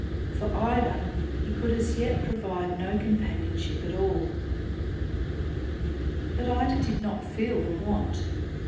For Ida he could as yet provide no companionship at all. But Ida did not feel the want.